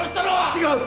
違う！